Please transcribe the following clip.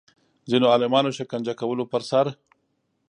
ځینو عالمانو شکنجه کولو پر سر